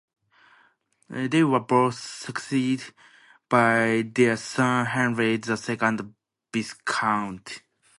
They were both succeeded by their son Henry, the second Viscount.